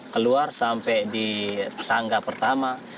keluar sampai di tangga pertama